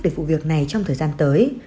về vụ việc này trong thời gian tới